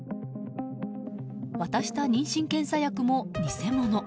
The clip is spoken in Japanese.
渡した妊娠検査薬も、偽物。